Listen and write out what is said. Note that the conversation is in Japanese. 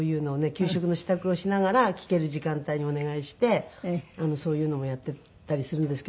給食の支度をしながら聞ける時間帯にお願いしてそういうのをやっていたりするんですけど。